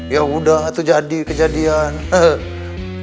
yaudah itu jadi kejadian